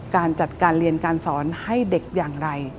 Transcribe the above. การจัดการเรียนการสอนให้เด็กอย่างไร